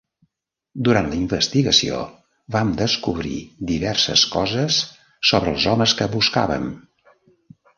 Durant la investigació vam descobrir diverses coses sobre els homes que buscaven.